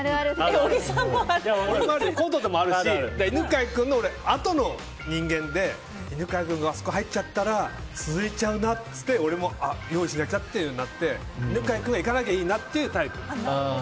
コントでもあるし犬飼君のあとの人間で犬飼君があそこ入っちゃったら続いちゃうなって俺も用意しなきゃってなって犬飼君はいかなきゃいいなというタイプ。